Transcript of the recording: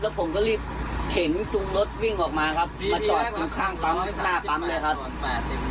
ผมก็รีบเข็นจุงรถวิ่งออกมาครับมาจอดอยู่ข้างปั๊มหน้าปั๊มเลยครับ